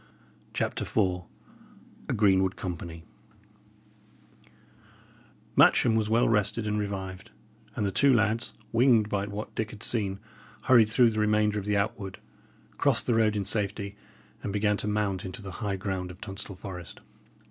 CHAPTER IV A GREENWOOD COMPANY Matcham was well rested and revived; and the two lads, winged by what Dick had seen, hurried through the remainder of the outwood, crossed the road in safety, and began to mount into the high ground of Tunstall Forest.